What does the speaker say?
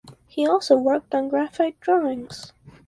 He also worked on graphite drawings.